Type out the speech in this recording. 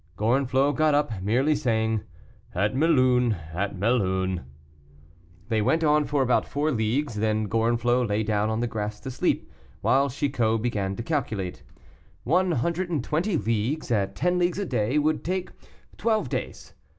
Gorenflot got up, merely saying, "At Mélun, at Mélun." They went on for about four leagues, then Gorenflot lay down on the grass to sleep, while Chicot began to calculate. "One hundred and twenty leagues, at ten leagues a day, would take twelve days."